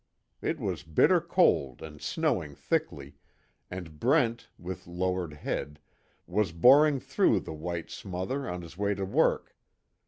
It was bitter cold and snowing thickly, and Brent, with lowered head, was boring through the white smother on his way to work.